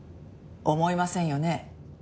思いませんよね？